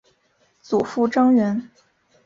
祖父张员。